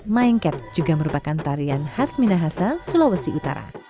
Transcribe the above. maengket juga merupakan tarian khas minahasa sulawesi utara